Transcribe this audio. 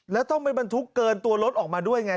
แล้วต้องไปบรรทุกเกินตัวรถออกมาด้วยไง